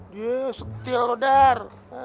juh saktil dar